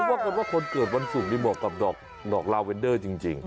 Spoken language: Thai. เพราะว่าคนเกิดวันสุกมีเหมาะกับดอกลาเวนเดอร์จริง